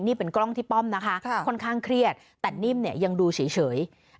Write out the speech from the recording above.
นี่เป็นกล้องที่ป้อมนะคะค่อนข้างเครียดแต่นิ่มเนี่ยยังดูเฉย